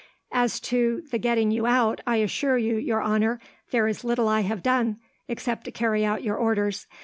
"As to the getting you out, I assure you, your honour, there is little I have done, except to carry out your orders.